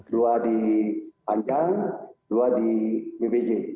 dua di panjang dua di bpj